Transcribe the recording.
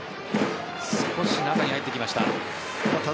少し中に入ってきました。